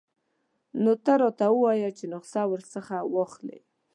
نو ته ورته ووایه چې نخښه ورڅخه واخلئ.